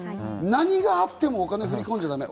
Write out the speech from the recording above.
何があってもお金を振り込んじゃだめ。